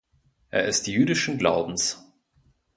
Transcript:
Er ist jüdischen Glaubens.